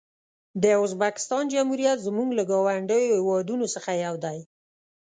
د ازبکستان جمهوریت زموږ له ګاونډیو هېوادونو څخه یو دی.